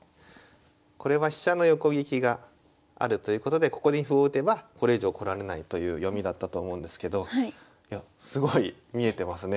これは飛車の横利きがあるということでここに歩を打てばこれ以上来られないという読みだったと思うんですけどすごい見えてますね。